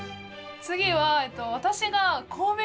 次は私がん！